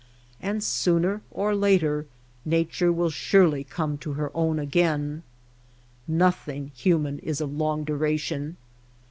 And sooner or later Nature will surely come to her own again. Nothing human is of long du ration.